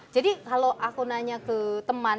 jadi kalau aku nanya ke teman